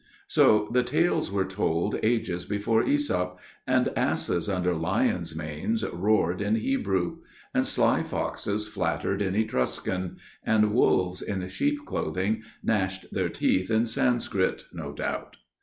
So the tales were told ages before Æsop; and asses under lions' manes roared in Hebrew; and sly foxes flattered in Etruscan; and wolves in sheep's clothing gnashed their teeth in Sanscrit, no doubt.